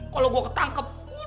kalau gua ketangkep waduh udah